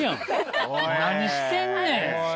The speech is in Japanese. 何してんねん！